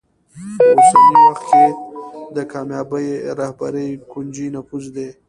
په اوسني وخت کې د کامیابې رهبرۍ کونجي نفوذ دی.